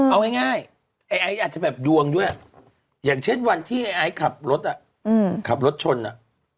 เอาง่ายไอ้ไอซ์อาจจะแบบดวงด้วยอย่างเช่นวันที่ไอ้ไอซ์ขับรถอ่ะขับรถขับรถชนอ่ะ